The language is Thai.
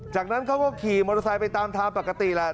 จากนั้นเขาก็ขี่มอเตอร์ไซค์ไปตามทางปกติแหละ